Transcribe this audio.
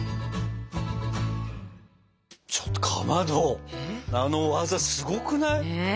ちょっとかまどあの技すごくない？